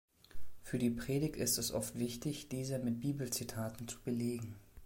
Für die Predigt ist es oft wichtig, diese mit Bibelzitaten zu belegen.